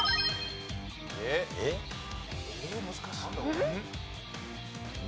えっ？